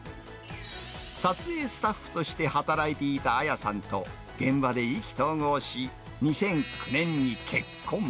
撮影スタッフとして働いていた彩さんと現場で意気投合し、２００９年に結婚。